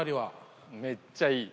めっちゃいい。